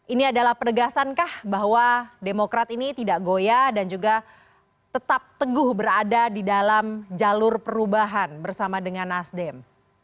ini adalah penegasankah bahwa demokrat ini tidak goya dan juga tetap teguh berada di dalam jalur perubahan bersama dengan nasdem